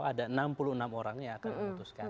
ada enam puluh enam orang yang akan memutuskan